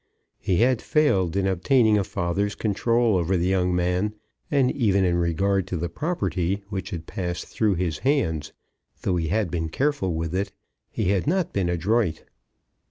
He had failed in obtaining a father's control over the young man; and even in regard to the property which had passed through his hands, though he had been careful with it, he had not been adroit.